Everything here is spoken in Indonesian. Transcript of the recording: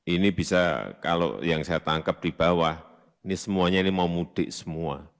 ini bisa kalau yang saya tangkap di bawah ini semuanya ini mau mudik semua